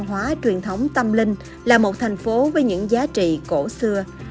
dòng giải văn hóa truyền thống tâm linh là một thành phố với những giá trị cổ xưa